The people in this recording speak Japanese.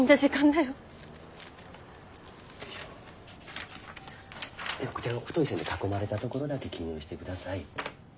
ではこちらの太い線で囲まれたところだけ記入してください。